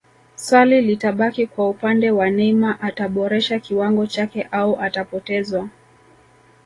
swali litabaki kwa upande wa Neymar ataboresha kiwango chake au atapotezwa